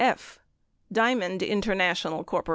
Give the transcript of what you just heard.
F. Diamond International Corp.